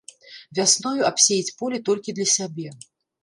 Вясною абсеяць поле толькі для сябе.